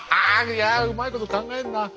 いやうまいこと考えるなあ。